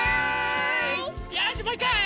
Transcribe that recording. よしもういっかい！